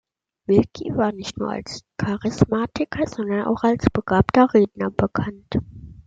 Willkie war nicht nur als Charismatiker, sondern auch als ein begabter Redner bekannt.